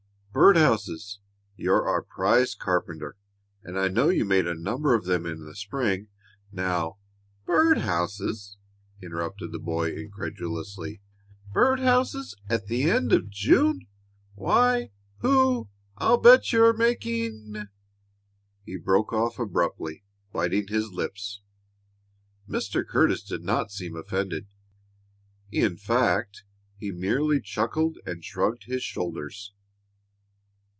"Bird houses. You're our prize carpenter, and I know you made a number of them in the spring. Now " "Bird houses!" interrupted the boy, incredulously. "Bird houses at the end of June! Why, who I'll bet you're making " He broke off abruptly, biting his lips. Mr. Curtis did not seem offended. In fact, he merely chuckled and shrugged his shoulders.